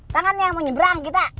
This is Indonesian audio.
tangannya mau nyebrang kita